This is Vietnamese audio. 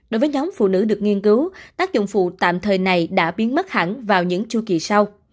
đối với nhóm phụ nữ được nghiên cứu tác dụng phụ tạm thời này đã biến mất hẳn vào những chu kỳ sau